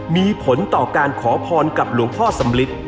มีผลต่อการขอพรกับหลวงพ่อสำลิด